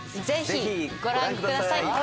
ぜひご覧ください。